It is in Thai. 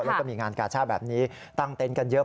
แล้วก็มีงานกาชาติแบบนี้ตั้งเต็นต์กันเยอะ